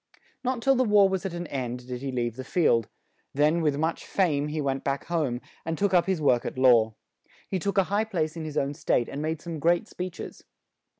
Not till the war was at an end, did he leave the field; then with much fame, he went back home, and took up his work at law. He took a high place in his own state and made some great speech es.